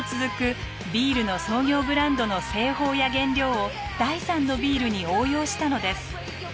ビールの創業ブランドの製法や原料を第三のビールに応用したのです。